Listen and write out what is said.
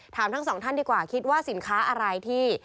ทั้งสองท่านดีกว่าคิดว่าสินค้าอะไรที่